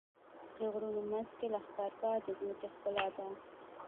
د غرونو منځ کې لښکرګاه د ځمکې ښکلا ده.